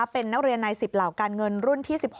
เป็นนักเรียนใน๑๐เหล่าการเงินรุ่นที่๑๖